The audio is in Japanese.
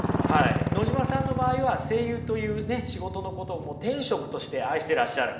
野島さんの場合は声優というね仕事のことを天職として愛していらっしゃる。